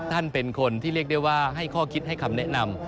ท่านเป็นคนที่เรียกได้ว่าให้ข้อคิดให้คำแนะนำ